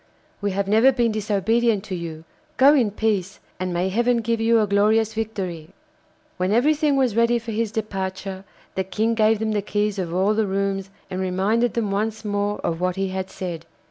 'We have never been disobedient to you. Go in peace, and may heaven give you a glorious victory!' When everything was ready for his departure, the King gave them the keys of all the rooms and reminded them once more of what he had said.